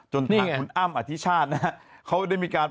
จนทางคุณอ้ำอธิชาตินะฮะเขาได้มีการ